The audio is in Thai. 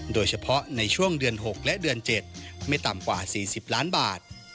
โดยเฉพาะในช่วงเดือน๖และเดือน๗ไม่ต่ำกว่า๔๐ล้านบาท